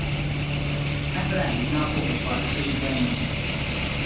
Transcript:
"F and M" is now published by Decision Games.